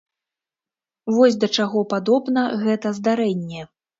Вось да чаго падобна гэта здарэнне.